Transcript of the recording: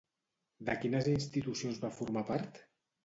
De quines institucions va formar part?